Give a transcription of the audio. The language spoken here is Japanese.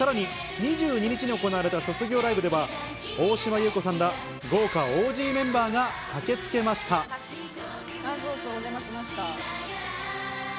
２２日に行われた卒業ライブでは大島優子さんら豪華ＯＧメンバーが駆けつけました。